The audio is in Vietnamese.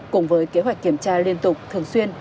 cùng với kế hoạch kiểm tra liên tục thường xuyên